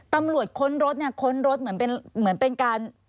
ตำรวจค้นรถเนี่ยค้นรถเหมือนเป็นการ